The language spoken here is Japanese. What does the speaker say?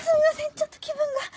ちょっと気分が。